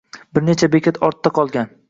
Bir necha bekat ortda qolgan.